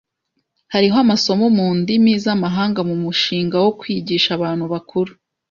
Hariho amasomo mundimi zamahanga mumushinga wo kwigisha abantu bakuru.